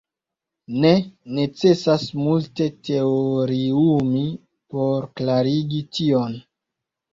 Ne necesas multe teoriumi por klarigi tion.